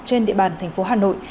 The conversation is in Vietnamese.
trên địa bàn thành phố hà nội